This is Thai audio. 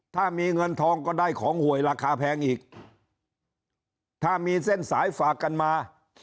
ถ้ามีเงินทองก็ได้ของหวยราคาแพงอีกถ้ามีเส้นสายฝากกันมา